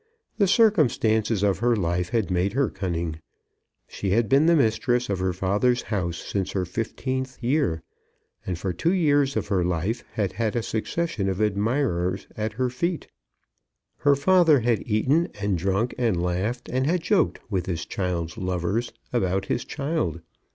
The circumstances of her life had made her cunning. She had been the mistress of her father's house since her fifteenth year, and for two years of her life had had a succession of admirers at her feet. Her father had eaten and drunk and laughed, and had joked with his child's lovers about his child.